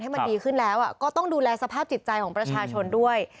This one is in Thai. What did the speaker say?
มันดีขึ้นแล้วก็ต้องดูแลสภาพจิตใจของประชาชนด้วย